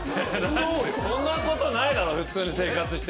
そんなことないだろ普通に生活してて。